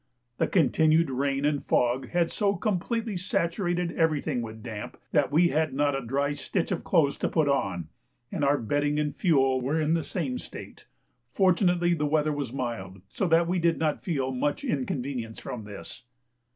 The continued rain and fog had so completely saturated everything with damp that we had not a dry stitch of clothes to put on, and our bedding and fuel were in the same state; fortunately the weather was mild, so that we did not feel much inconvenience from this.